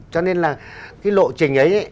cho nên là cái lộ trình ấy